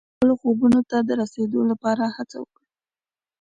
خپلو خوبونو ته د رسیدو لپاره هڅه وکړئ.